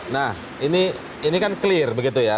nah ini kan clear begitu ya